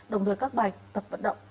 đồng thời các bài tập vận động